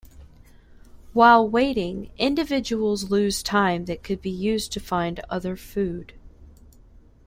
While waiting, individuals lose time that could be used to find other food.